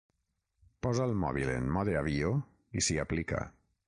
Posa el mòbil en mode avió i s'hi aplica.